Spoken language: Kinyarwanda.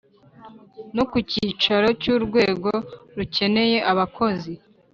no ku cyicaro cy’urwego rukeneye abakozi.